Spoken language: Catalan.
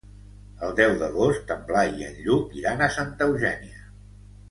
El deu d'agost en Blai i en Lluc iran a Santa Eugènia.